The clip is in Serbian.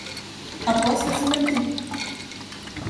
А после смрти?